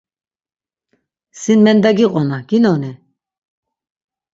Sin mendagiqona ginoni?